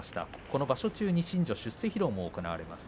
この場所中に新序出世披露も行われます。